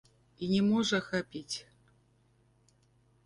І не можа хапіць.